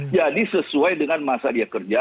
jadi sesuai dengan masa dia kerja